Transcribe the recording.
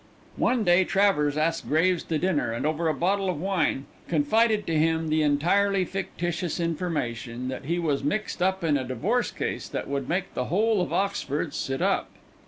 One day Travers asked Graves to dinner, and over a bottle of wine confided to him the entirely fictitious information that he was mixed up in a divorce case that would make the whole of Oxford "sit up."